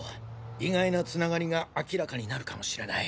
意外な繋がりが明らかになるかもしれない。